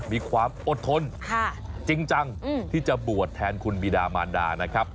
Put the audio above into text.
มีความอดทนจริงจังที่จะบวชแทนคุณบิดามานดานะครับ